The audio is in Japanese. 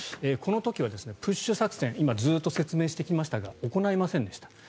この時はプッシュ作戦今ずっと説明してきましたが行いませんでした。